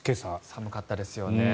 寒かったですよね。